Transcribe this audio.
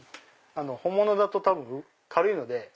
本物だと軽いので。